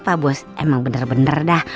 pak bos emang bener bener dah